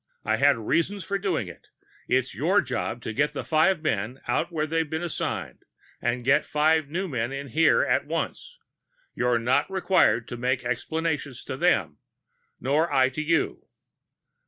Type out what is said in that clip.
I had reasons for doing it. It's your job to get the five men out where they've been assigned, and to get five new men in here at once. You're not required to make explanations to them nor I to you."